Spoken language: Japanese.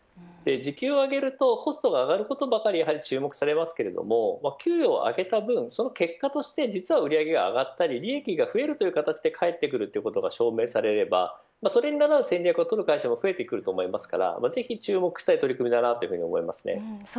時給を上げるとコストが上がることばかり注目されますが給与を上げた分、その結果として実は売り上げが上がったり利益が増えるという形で返ってくることが証明されればそれに倣う戦略を取る会社も増えてくると思うのでぜひ注目したい取り組みだと思います。